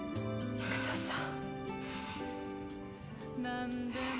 育田さん。